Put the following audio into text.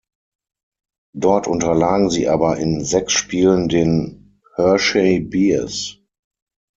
Dort unterlagen sie aber in sechs Spielen den Hershey Bears.